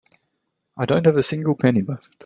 I don't have a single penny left.